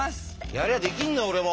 やりゃできんの俺も。